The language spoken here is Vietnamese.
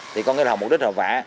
thì có nghĩa là họ mục đích họ vẽ